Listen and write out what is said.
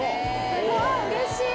すごい、うれしい。